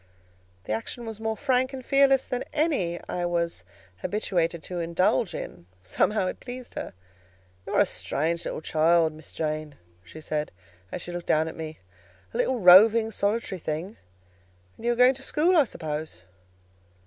The action was more frank and fearless than any I was habituated to indulge in: somehow it pleased her. "You are a strange child, Miss Jane," she said, as she looked down at me; "a little roving, solitary thing: and you are going to school, I suppose?"